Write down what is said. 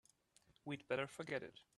We'd better forget it.